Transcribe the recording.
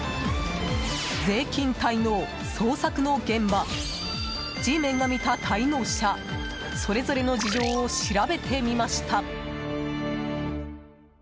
税金滞納、捜索の現場Ｇメンが見た滞納者それぞれの事情を調べてみました。